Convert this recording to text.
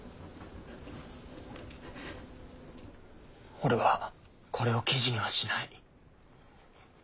俺はこれを記事にはしない。